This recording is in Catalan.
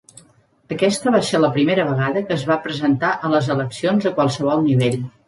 Aquesta va ser la primera vegada que es va presentar a les eleccions a qualsevol nivell.